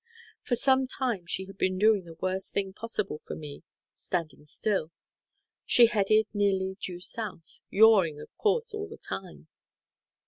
For some time she had been doing the worst thing possible for me—standing still. She headed nearly due south, yawing, of course, all the time.